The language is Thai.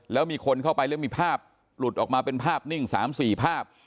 แล้วมีคนเข้าไปแล้วมีภาพหลุดออกมาเป็นภาพนิ่ง๓๔ภาพ